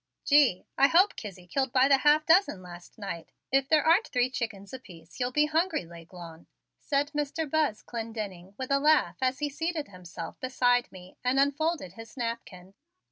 "Gee, I hope Kizzie killed by the half dozen last night; if there aren't three chickens apiece you'll be hungry, L'Aiglon," said Mr. Buzz Clendenning with a laugh as he seated himself beside me and unfolded his napkin.